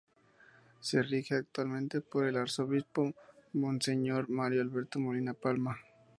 Se rige actualmente por el Arzobispo Monseñor Mario Alberto Molina Palma.